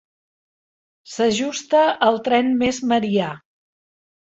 S'ajusta al tren més marià.